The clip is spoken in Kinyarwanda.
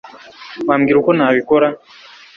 Wambwira uko nabikora